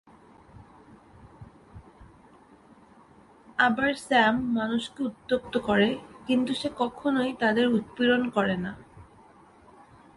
আবার, স্যাম মানুষকে উত্ত্যক্ত করে, কিন্তু সে কখনোই তাদের উৎপীড়ন করে না।